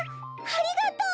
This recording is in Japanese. ありがとう！